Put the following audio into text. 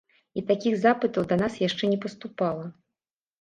І такіх запытаў да нас яшчэ не паступала.